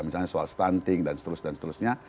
misalnya soal stunting dan seterusnya